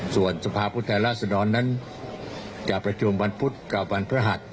ส่วนสภาพุทธแหลศดรนั้นจะประจุมวันพุทธกับวันพระหัส